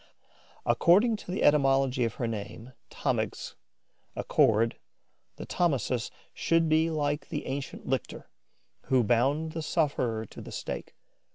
According to the etymology of her name [Greek text], a cord the Thomisus should be like the ancient lictor, who bound the sufferer to the stake.